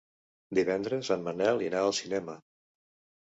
Divendres en Manel irà al cinema.